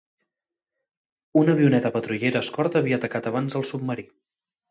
Una avioneta patrullera escorta havia atacat abans el submarí.